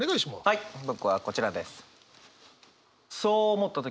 はい僕はこちらです。